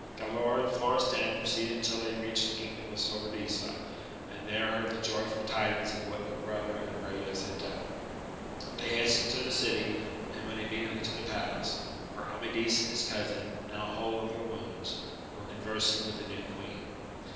Galaor and Florestan proceeded till they reached the kingdom of Sobradisa, and there heard the joyful tidings of what their brother and Agrayes had done. They hastened to the city, and went immediately to the palace, where Amadis and his cousin, now whole of their wounds, were conversing with the new queen.